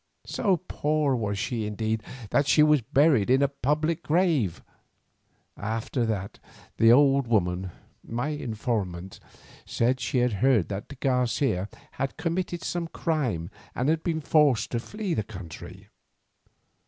So poor was she indeed, that she was buried in a public grave. After that the old woman, my informant, said she had heard that de Garcia had committed some crime and been forced to flee the country.